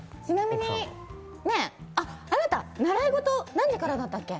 あなた、習い事、何時からだったっけ？